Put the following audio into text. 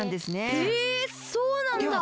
へえそうなんだ。